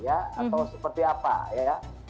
atau seperti apa ya